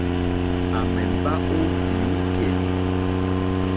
À mèmbá ó hwìúkèlì.